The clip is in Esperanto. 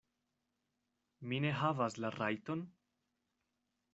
Mi ne havas la rajton?